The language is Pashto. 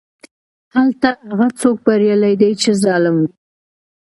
هلته هغه څوک بریالی دی چې ظالم وي.